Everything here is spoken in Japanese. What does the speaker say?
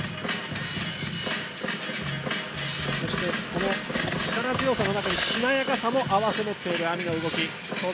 この力強さの中に、しなやかさも持ち合わせているＡＭＩの動き。